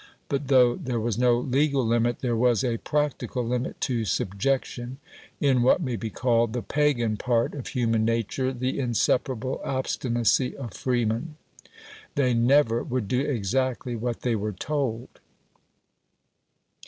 But though there was no legal limit, there was a practical limit to subjection in (what may be called) the pagan part of human nature the inseparable obstinacy of freemen. They NEVER would do exactly what they were told.